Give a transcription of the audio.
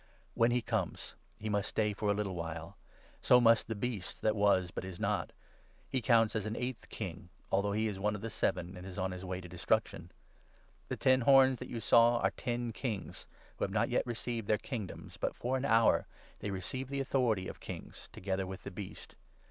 When he comes, he must stay for a little while. So must the Beast that was, but is not. He 1 1 counts as an eighth king, although he is one of the seven, and is on his way to destruction. The ten horns that you saw 12 are ten kings, who have not yet received their kingdoms, but for an hour they receive the authority of kings, together with the Beast.